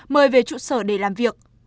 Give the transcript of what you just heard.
mời về trụ sở để làm việc